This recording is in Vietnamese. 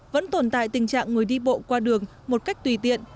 vẫn tồn tại tình trạng người đi bộ qua đường một cách tùy tiện